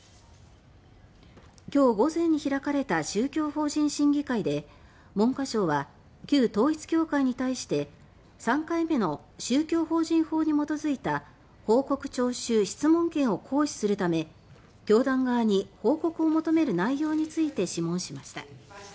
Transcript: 今日午前に開かれた宗教法人審議会で文科省は旧統一教会に対して３回目の宗教法人法に基づいた報告徴収・質問権を行使するため教団側に報告を求める内容について諮問しました。